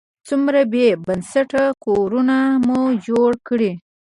څومره بې بنسټه کورونه مو جوړ کړي.